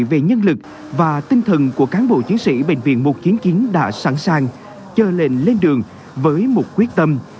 về nhân lực và tinh thần của cán bộ chiến sĩ bệnh viện một trăm chín mươi chín đã sẵn sàng chơi lệnh lên đường với một quyết tâm